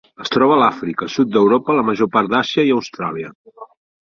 Es troba a Àfrica, sud d'Europa, la major part d'Àsia i Austràlia.